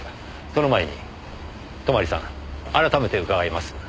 その前に泊さん改めて伺います。